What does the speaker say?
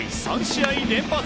３試合連発。